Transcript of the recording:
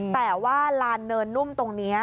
แต่ว่าลานเนินนุ่มตรงนี้